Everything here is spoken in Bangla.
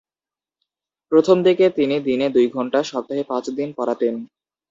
প্রথমদিকে তিনি দিনে দুই ঘন্টা, সপ্তাহে পাঁচ দিন পড়াতেন।